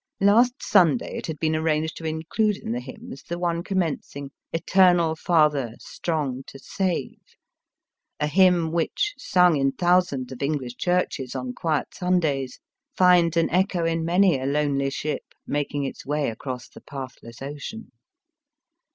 Last Sunday it had been arranged to include in the hymns the one commencing Eternal Father, strong to save" — a hymn which, sung in thousands of English churches on quiet Sun days, finds an echo in many a lonely ship making its way across the pathless ocean.